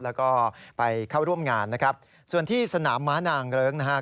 แล้วก็ไปเข้าร่วมงานนะครับส่วนที่สนามม้านางเริงนะครับ